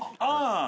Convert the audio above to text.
ああ！